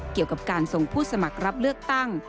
เกี่ยวกับการส่งผู้สมัครรับเลือกตั้ง